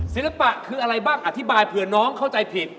ศิลปะคืออะไรบ้างอธิบายเผื่อน้องเข้าใจผิด